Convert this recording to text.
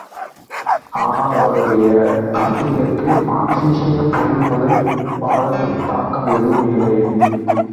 ஆனால் அவருடைய நாத்திகத்தில் மார்க்சீயப் பொருள்முதல் வாதத்தின் தாக்கம் எதுவும் இல்லை.